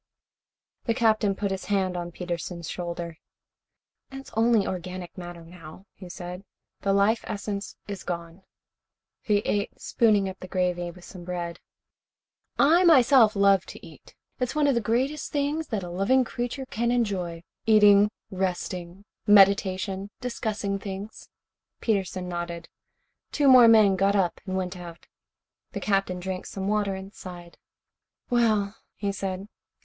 The Captain put his hand on Peterson's shoulder. "It is only organic matter, now," he said. "The life essence is gone." He ate, spooning up the gravy with some bread. "I, myself, love to eat. It is one of the greatest things that a living creature can enjoy. Eating, resting, meditation, discussing things." Peterson nodded. Two more men got up and went out. The Captain drank some water and sighed. "Well," he said.